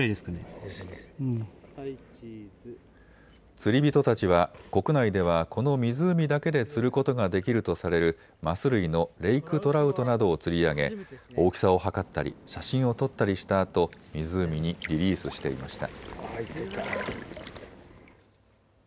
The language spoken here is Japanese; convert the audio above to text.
釣り人たちは国内ではこの湖だけで釣ることができるとされるマス類のレイクトラウトなどを釣り上げ、大きさを測ったり写真を撮ったりしたあと湖にリリースしていました。